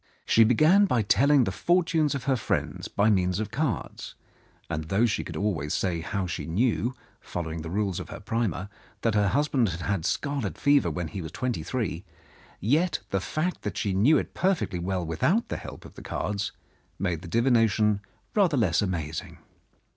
She began by telling the fortunes of her friends by means of cards, and, though she could always say how she knew, following the rules of her primer, that her husband had had scarlet fever when he was twenty three, yet the fact that she knew it perfectly well without the help of the cards made the divination rather less amazing.